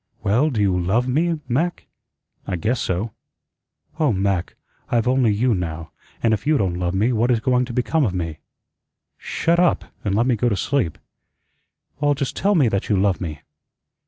"Well, do you LOVE me, Mac?" "I guess so." "Oh, Mac, I've only you now, and if you don't love me, what is going to become of me?" "Shut up, an' let me go to sleep." "Well, just tell me that you love me."